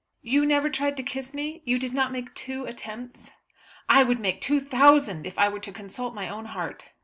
"You never tried to kiss me? You did not make two attempts?" "I would make two thousand if I were to consult my own heart."